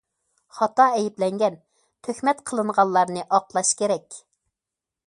خاتا ئەيىبلەنگەن، تۆھمەت قىلىنغانلارنى ئاقلاش كېرەك.